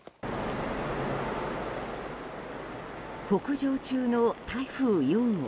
北上中の台風４号。